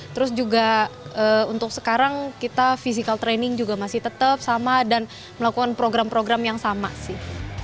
terus juga untuk sekarang kita physical training juga masih tetap sama dan melakukan program program yang sama sih